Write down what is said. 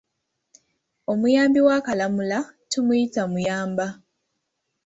Omuyambi wa kalamula, tumuyita muyamba.